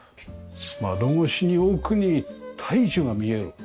窓越しに奧に大樹が見える。